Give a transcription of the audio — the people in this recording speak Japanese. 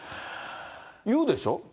言うでしょ。